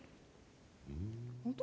本当？